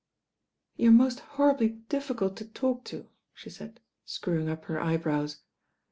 "You're most horribly difficult to talk to," she said, screwing up her eyebrows.